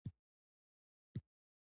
تخنیکي ایډېټ پیسو ته اړتیا لرله.